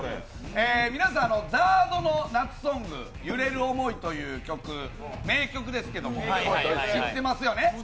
皆さん、ＺＡＲＤの夏ソング「揺れる想い」という曲、名曲ですけども、知ってますよね。